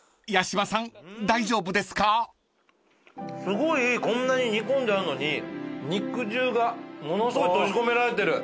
すごいこんなに煮込んであるのに肉汁がものすごい閉じ込められてる。